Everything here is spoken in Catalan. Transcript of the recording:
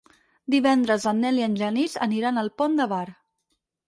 Divendres en Nel i en Genís aniran al Pont de Bar.